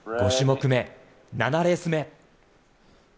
５種目目、７レース目。